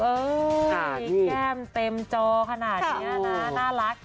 แก้มเต็มจอขนาดนี้นะน่ารัก